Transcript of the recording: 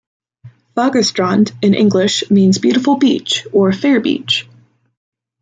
"Fagerstrand" in English means "beautiful beach" or "fair beach".